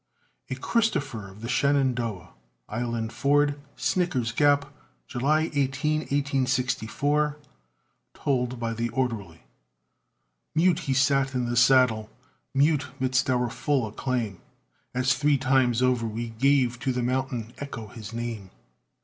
A CHRISTOPHER OF THE SHENANDOAH ISLAND FORD, SNICKER'S GAP, JULY 18, 1864 TOLD BY THE ORDERLY Mute he sat in the saddle, mute 'midst our full acclaim, As three times over we gave to the mountain echo his name.